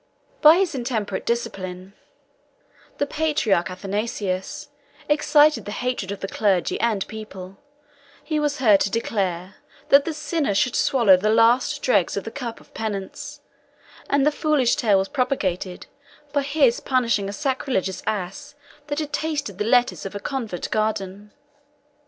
By his intemperate discipline, the patriarch Athanasius 2 excited the hatred of the clergy and people: he was heard to declare, that the sinner should swallow the last dregs of the cup of penance; and the foolish tale was propagated of his punishing a sacrilegious ass that had tasted the lettuce of a convent garden.